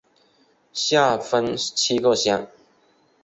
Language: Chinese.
下分七个乡。